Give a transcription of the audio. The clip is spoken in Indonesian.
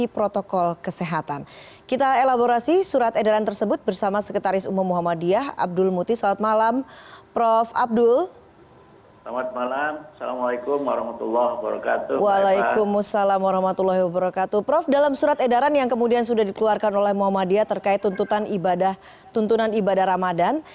prof dalam surat edaran yang kemudian sudah dikeluarkan oleh muhammadiyah terkait tuntutan ibadah ramadan